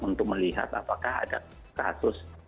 untuk melihat apakah ada kasus